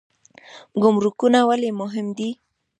ګمرکونه ولې مهم دي؟